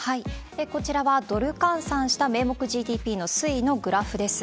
こちらはドル換算した名目ＧＤＰの推移のグラフです。